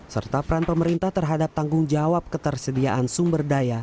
serta peran pemerintah terhadap tanggung jawab ketersediaan sumber daya